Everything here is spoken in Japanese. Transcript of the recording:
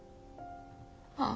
あ。